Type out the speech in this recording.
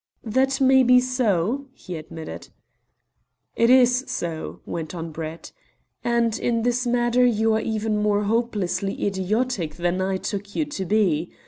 "That may be so," he admitted. "It is so," went on Brett; "and in this matter you are even more hopelessly idiotic than I took you to be.